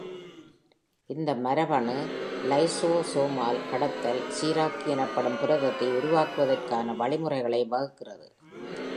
இந்த மரபணு லைசோசோமால் கடத்தல் சீராக்கி எனப்படும் புரதத்தை உருவாக்குவதற்கான வழிமுறைகளை வழங்குகிறது.